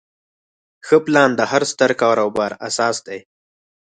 ښه پلان د هر ستر کاروبار اساس دی.